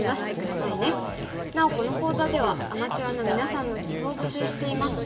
なおこの講座ではアマチュアのみなさんの棋譜を募集しています。